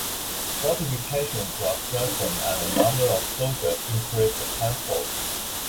Fortifications were strengthened and the number of soldiers increased tenfold.